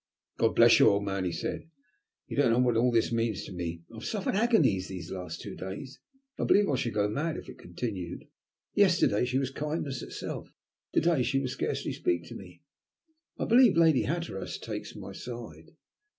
"God bless you, old man," he said, "you don't know what all this means to me. I've suffered agonies these last two days. I believe I should go mad if it continued. Yesterday she was kindness itself. To day she will scarcely speak to me. I believe Lady Hatteras takes my side?"